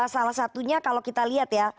salah satunya kalau kita lihat ya